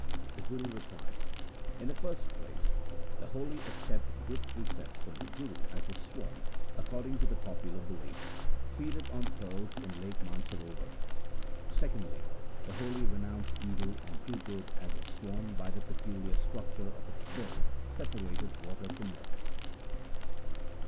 The Guru replied :' In the first place, the holy accept good precepts from the Guru as the swan, according to the popular belief, feedeth on pearls in Lake Mansarowar ; secondly, the holy renounce evil and do good as the swan by the peculiar structure of its bill separateth water from milk.'